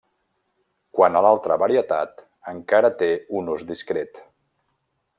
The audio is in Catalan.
Quant a l'altra varietat, encara té un ús discret.